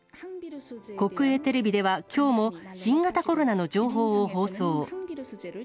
国営テレビではきょうも、新型コロナの情報を放送。